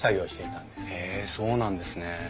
へえそうなんですね。